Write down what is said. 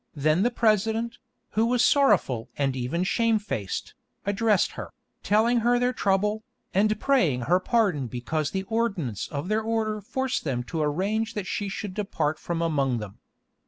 Then the President, who was sorrowful and even shamefaced, addressed her, telling her their trouble, and praying her pardon because the ordinance of their order forced them to arrange that she should depart from among them.